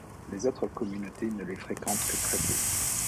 Les autres communautés ne les fréquentent que très peu.